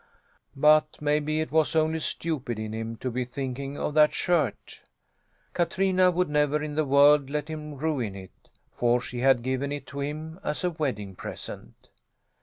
But maybe it was only stupid in him to be thinking of that shirt? Katrina would never in the world let him ruin it, for she had given it to him as a wedding present.